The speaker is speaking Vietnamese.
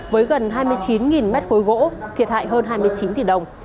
với gần hai mươi chín m ba gỗ thiệt hại hơn hai mươi chín tỷ đồng